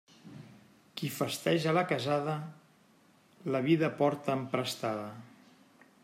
Qui festeja la casada, la vida porta emprestada.